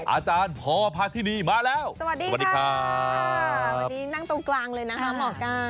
อาจารย์พอภาฏินีมาแล้วสวัสดีค่ะวันนี้บอกเลยนะครับมกาย